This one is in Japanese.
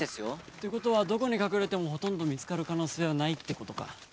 って事はどこに隠れてもほとんど見つかる可能性はないって事か。